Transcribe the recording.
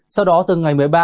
sau đó từ ngày một mươi ba